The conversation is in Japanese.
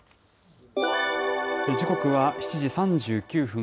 時刻は７時３９分。